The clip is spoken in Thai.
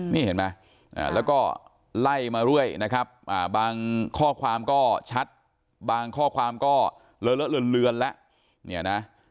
นี่เห็นไหมแล้วก็ไล่มาเรื่อยนะครับบางข้อความก็ชัดบางข้อความก็เลอะเลือนแล้วเนี่ยนะ